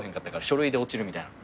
書類で落ちるみたいな。